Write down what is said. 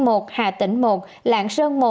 giang một hà tĩnh một lạng sơn một